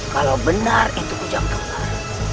kalau benar itu hujan kembar